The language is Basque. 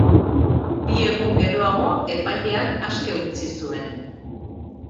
Bi egun geroago, epaileak aske utzi zuen.